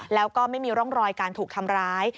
แล้วก็ไม่มีร่องรอยการถูกทำร้าย